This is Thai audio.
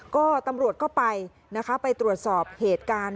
ก็ตำรวจก็ไปนะคะไปตรวจสอบเหตุการณ์